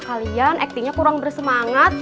kalian aktingnya kurang bersemangat